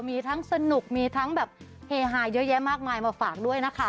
มีทั้งสนุกมีทั้งแบบเฮฮาเยอะแยะมากมายมาฝากด้วยนะคะ